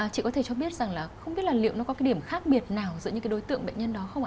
chị có thể cho biết rằng là không biết là liệu nó có cái điểm khác biệt nào giữa những cái đối tượng bệnh nhân đó không ạ